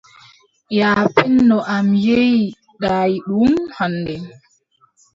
Yaapenndo am yehi daayiiɗum hannde.